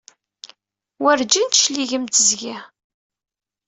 Werǧin d-tecligemt seg-i!